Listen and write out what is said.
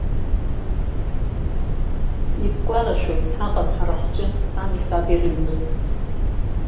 Ибгәалашәоит, ҳаҟан ҳара ҳҿы, сани саби рыҩны.